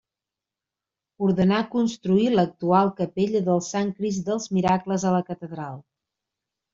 Ordenà construir l'actual capella del Sant Crist dels Miracles a la catedral.